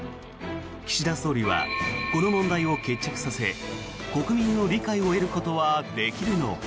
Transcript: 岸田総理はこの問題を決着させ国民の理解を得ることはできるのか。